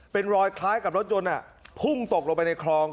เป็นรอยคล้ายกับรถยนต์พุ่งตกลงไปในคลอง